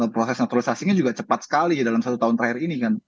proses naturalisasinya juga cepat sekali dalam satu tahun terakhir ini kan